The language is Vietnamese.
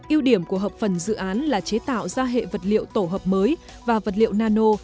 yêu điểm của hợp phần dự án là chế tạo ra hệ vật liệu tổ hợp mới và vật liệu nano